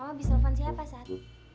kamu habis telepon siapa sat